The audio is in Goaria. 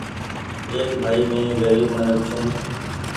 ۮيک ڀآئي مينٚ غريب منک ڇوٚنٚ